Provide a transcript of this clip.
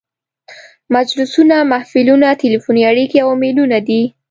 مجلسونه، محفلونه، تلیفوني اړیکې او ایمیلونه دي.